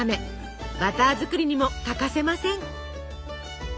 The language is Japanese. バター作りにも欠かせません。